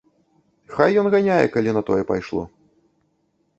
Хай ён ганяе, калі на тое пайшло.